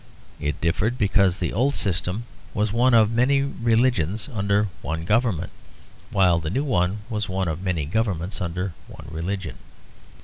It differed because the old system was one of many religions under one government, while the new was one of many governments under one religion.